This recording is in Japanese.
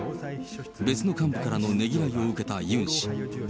別の幹部からのねぎらいを受けたユン氏。